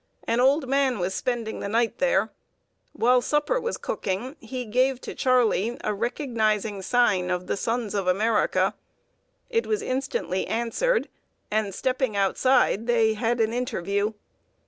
An old man was spending the night there. While supper was cooking, he gave to Charley a recognizing sign of the Sons of America. It was instantly answered; and, stepping outside, they had an interview.